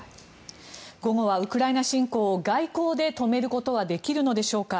午後はウクライナ侵攻を外交で止めることはできるのでしょうか。